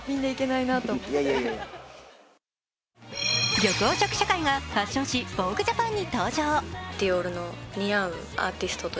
緑黄色社会がファッション誌「ＶＯＧＵＥＪＡＰＡＮ」に登場。